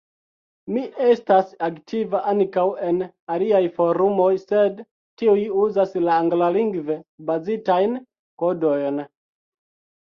Mi estas aktiva ankaŭ en aliaj forumoj, sed tiuj uzas la anglalingve bazitajn kodojn.